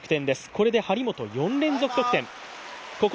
これで張本、４連続得点。